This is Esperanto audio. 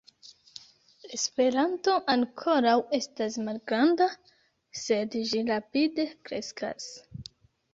Esperanto ankoraŭ estas malgranda, sed ĝi rapide kreskas.